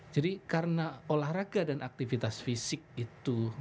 jadi karena olahraga dan aktivitas fisik itu